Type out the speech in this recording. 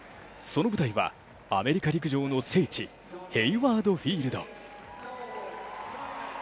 その舞台はアメリカ陸上の聖地ヘイワード・フィールド。